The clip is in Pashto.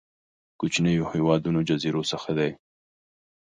کوچنيو هېوادونو جزيرو څخه دي.